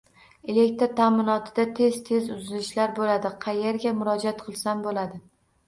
Elektr taʼminotida tez-tez uzilishlar bo‘ladi, qayerga murojaat qilsam bo‘ladi?